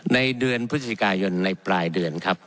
ในเดือนพฤศจิกายนในปลายเดือนครับ